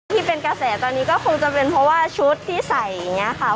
ที่เป็นกระแสตอนนี้ก็คงจะเป็นเพราะว่าชุดที่ใส่อย่างนี้ค่ะ